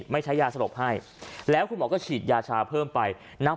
ไม่ใช้ยาสลบให้แล้วคุณหมอก็ฉีดยาชาเพิ่มไปนับ